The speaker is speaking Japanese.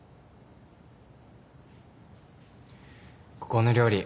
ここの料理